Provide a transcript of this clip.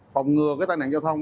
phòng ngừa tai nạn giao thông